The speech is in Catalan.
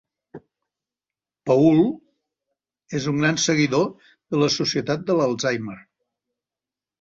Paul és un gran seguidor de la Societat de l'Alzheimer.